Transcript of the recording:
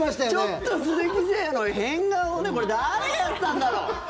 ちょっと鈴木誠也の変顔これ、誰がやったんだろう。